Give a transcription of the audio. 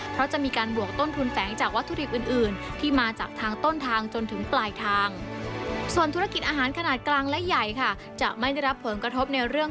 เพราะจะมีการบวกต้นทุนแฝงจากวัตถุดิบอื่น